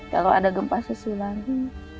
kalau ada gempa susul lagi